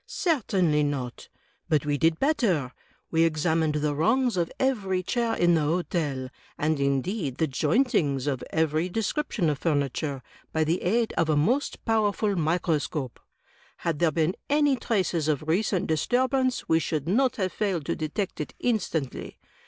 "Certainly not; but we did better — ^we examined the rungs of every chair in the Hotel, and, indeed, the jointings of every descrip tion of furniture, by the aid of a most powerful microscope. Had there been any traces of recent disturbance we should not have failed to detect it instantly.